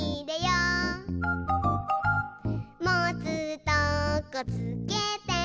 「もつとこつけて」